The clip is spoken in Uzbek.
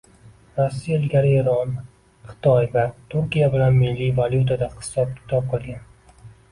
Rossiya ilgari Eron, Xitoy va Turkiya bilan milliy valyutada hisob -kitob qilgan